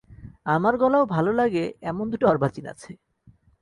আমার গলাও ভাল লাগে এমন দুটো অর্বাচীন আছে।